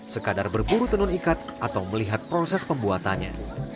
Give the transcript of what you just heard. sekadar berburu tenun ikat atau melihat proses pembuatannya